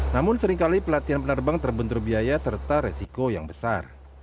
namun seringkali pelatihan penerbang terbentur biaya serta resiko yang besar